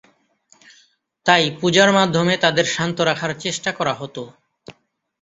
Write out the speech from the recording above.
তাই পূজার মাধ্যমে তাদের শান্ত রাখার চেষ্টা করা হত।